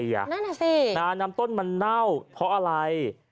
นั่นน่ะสิน้ำต้นมันเน่าเพราะอะไร